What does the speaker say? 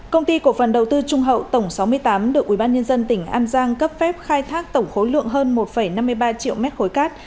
công ty cổ phần đầu tư trung hậu tổng sáu mươi tám được ubnd tỉnh an giang cấp phép khai thác tổng khối lượng hơn một năm mươi ba triệu mét khối cát